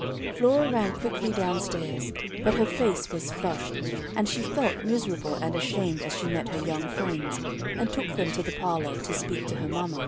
Flora ran quickly down stairs, but her face was flushed, and she felt miserable and ashamed as she met her young friends, and took them to the parlor to speak to her mamma.